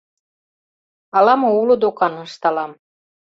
— Ала-мо уло докан, — ышталам.